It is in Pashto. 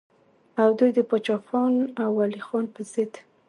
او دوي د باچا خان او ولي خان پۀ ضد